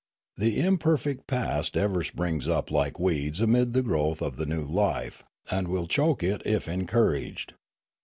The imperfect past ever springs up like weeds amid the growth of the new life, and will choke it if encouraged.